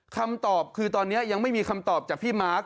คำตอบคือตอนนี้ยังไม่มีคำตอบจากพี่มาร์ค